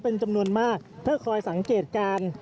เป็นจำนวนมากเพื่อคอยสังเกตการณ์